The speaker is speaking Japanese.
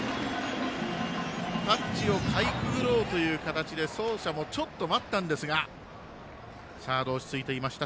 タッチをかいくぐろうという形で走者も、ちょっと待ったんですがサード、落ち着いていました。